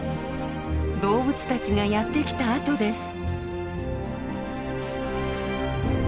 動物たちがやって来た跡です。